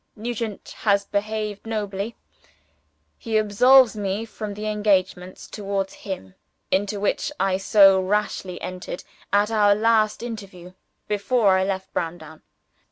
"Nugent has behaved nobly. He absolves me from the engagements towards him into which I so rashly entered, at our last interview before I left Browndown.